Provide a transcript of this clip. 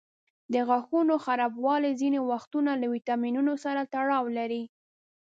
د غاښونو خرابوالی ځینې وختونه له ویټامینونو سره تړاو لري.